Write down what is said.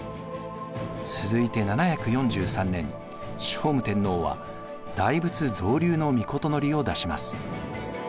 続いて７４３年聖武天皇は大仏造立の詔を出します。